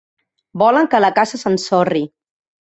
Volen que la casa s'ensorri.